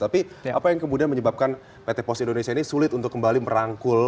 tapi apa yang kemudian menyebabkan pt pos indonesia ini sulit untuk kembali merangkul